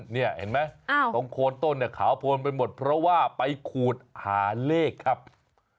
นี่เห็นไหมตรงโคนต้นเนี่ยขาวโพนไปหมดเพราะว่าไปขูดหาเลขครับ